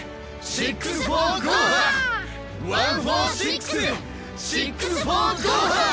シックス・フォー・ゴーハ！